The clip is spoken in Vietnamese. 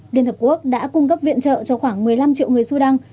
liên hợp quốc đã cung cấp viện trợ cho khoảng một mươi năm triệu người sudan